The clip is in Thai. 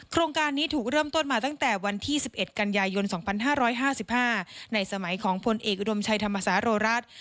โครงการนี้ถูกเริ่มต้นมาตั้งแต่วันที่๑๑กันยายน๒๕๕๕ในสมัยของพลเอกอุดมชัยธรรมศาโรรัส